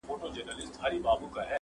چي وژلي یې بېځایه انسانان وه-